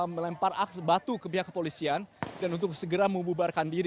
melempar batu ke pihak kepolisian dan untuk segera membubarkan diri